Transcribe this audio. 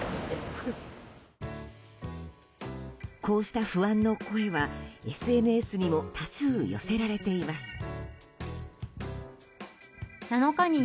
こうした不安の声はＳＮＳにも多数寄せられています。